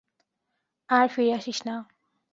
আর ফিরে আসিস না!